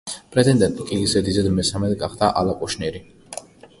პრეტენდენტი კი ზედიზედ მესამედ გახდა ალა კუშნირი.